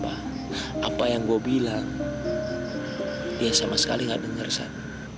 apa yang gue bilang dia sama sekali gak denger sam